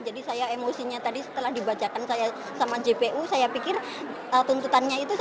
jadi saya emosinya tadi setelah dibacakan saya sama gpu saya pikir tuntutannya itu